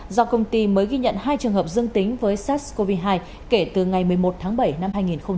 do công ty mới ghi nhận hai trường hợp dương tính với sars cov hai kể từ ngày một mươi một tháng bảy năm hai nghìn hai mươi